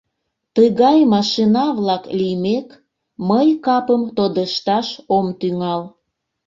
Тыгай машина-влак лиймек, мый капым тодышташ ом тӱҥал.